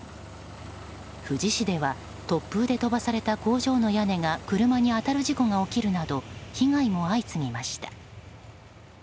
富士市では突風で飛ばされた工場の屋根が車に当たる事故が起きるなど被害も相次ぎました。